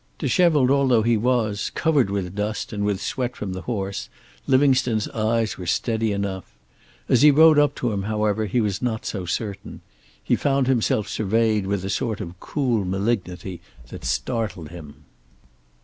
Dishevelled although he was, covered with dust and with sweat from the horse, Livingstone's eyes were steady enough. As he rode up to him, however, he was not so certain. He found himself surveyed with a sort of cool malignity that startled him.